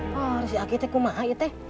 harusnya aku itu yang mahal itu